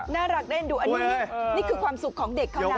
น่ารักเล่นดูอันนี้นี่คือความสุขของเด็กเขานะ